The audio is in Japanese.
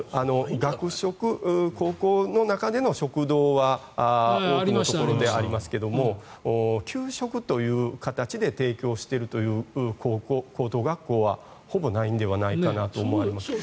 学食、高校の中での食堂は多くのところでありますが給食という形で提供しているという高等学校はほぼないのではないかと思います。